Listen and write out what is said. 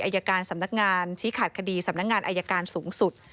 อายการสำนักงานชี้ขาดคดีสำนักงานอายการสูงสุด